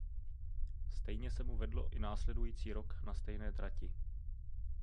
Stejně se mu vedlo i následující rok na stejné trati.